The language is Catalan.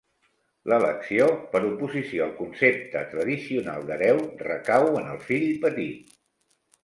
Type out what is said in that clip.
L'elecció, per oposició al concepte tradicional d'hereu, recau en el fill petit.